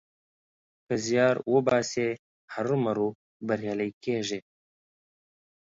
که زيار وباسې؛ هرو مرو بريالی کېږې.